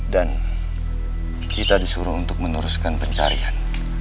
dan kita disuruh untuk meneruskan pencarian